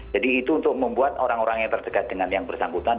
jadi itu untuk membuat orang orang yang tersegat dengan yang bersangkutan